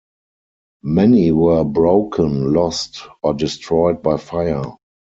Many were broken, lost, or destroyed by fire.